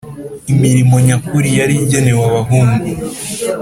Imirimo nyakuri yari igenewe abahungu